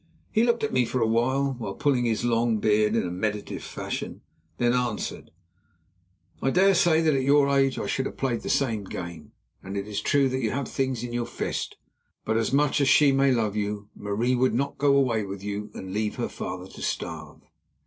He looked at me for a while, pulling his long beard in a meditative fashion, then answered: "I dare say that at your age I should have played the same game, and it is true that you have things in your fist. But, much as she may love you, Marie would not go away with you and leave her father to starve."